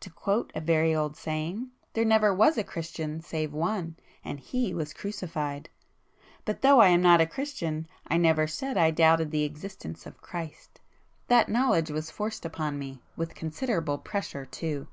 To quote a very old saying 'There never was a Christian save One, and He was crucified.' But though I am not a Christian I never said I doubted the existence of Christ. That knowledge was forced upon me,—with considerable pressure too!"